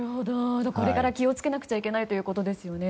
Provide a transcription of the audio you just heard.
これから気をつけなくちゃいけないということですよね。